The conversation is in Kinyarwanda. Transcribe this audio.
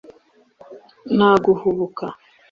nta guhubuka